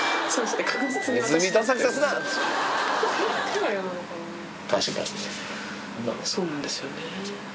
そうなんですよね。